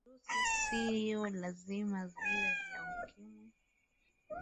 virusi siyo lazima viwe vya ukimwi